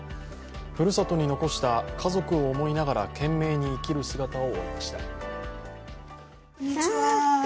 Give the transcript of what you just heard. ふるさとに残した家族を思いながら、懸命に生きる姿を追いました。